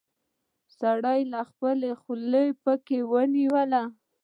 سړي خپله خوله پکې ونيوله.